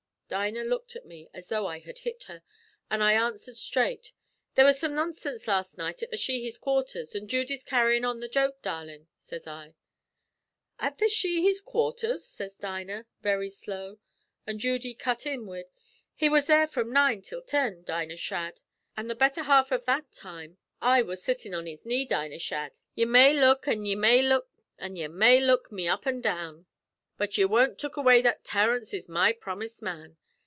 "Dinah looked at me as though I had hit her, an' I answered straight: "'There was some nonsinse last night at the Sheehys' quarthers, an' Judy's carryin' on the joke, darlin',' sez I. "'At the Sheehys' quarthers?' sez Dinah, very slow; an' Judy cut in wid: "'He was there from nine till tin, Dinah Shadd, an' the betther half av that time I was sittin' on his knee, Dinah Shadd. Ye may look an' ye may look an' ye may look me up an' down, but ye won't look away that Terence is my promust man.